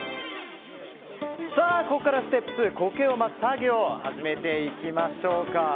ここからはステップ２苔を巻く作業を始めていきましょうか。